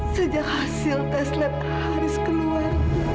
sejak hasil tes let haris keluar